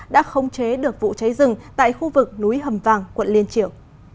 đã khống chế được vụ cháy rừng tại khu vực núi hầm vàng quận liên triều